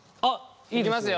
いきますよ。